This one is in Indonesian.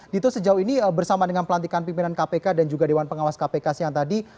dito sejauh ini bersama dengan pelantikan pimpinan kpk dan juga dewan pengawas kpk siang tadi